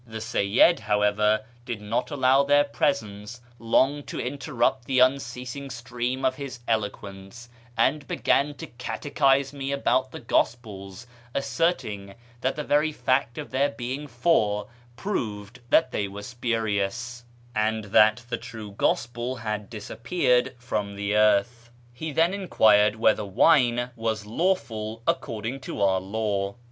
The Seyyid, however, did not allow their presence long to interrupt the unceasing stream of his eloquence, and began to catechise me about the gospels, asserting that the very fact of there being four proved that they were spurious, and that the true gospel had disappeared from the earth. He then enquired whether wine was lawful according to our law.